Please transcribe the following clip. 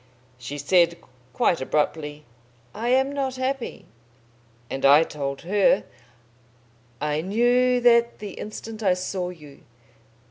"She said, quite abruptly, 'I am not happy,' and I told her, 'I knew that the instant I saw you.'